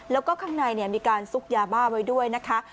แล้วก็ข้างในมีการซุกยาบ้าไว้ด้วยนะคะ